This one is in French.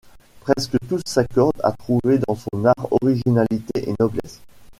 Presque tous s'accordent à trouver dans son art originalité et noblesse.